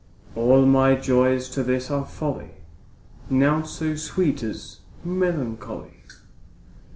All my joys to this are folly, Naught so sweet as melancholy.